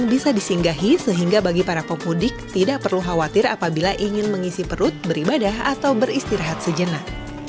bisa disinggahi sehingga bagi para pemudik tidak perlu khawatir apabila ingin mengisi perut beribadah atau beristirahat sejenak